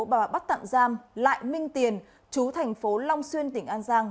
tại cơ quan an ninh điều tra hồ văn đức khởi tố và bắt tạm giam lại minh tiền chú thành phố long xuyên tỉnh an giang